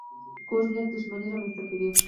کوږ نیت دښمني رامنځته کوي